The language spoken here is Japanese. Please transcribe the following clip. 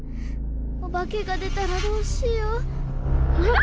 オバケが出たらどうしよう。